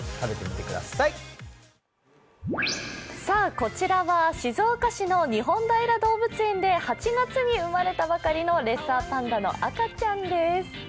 こちらは静岡市の日本平動物園で８月に生まれたばかりのレッサーパンダの赤ちゃんです。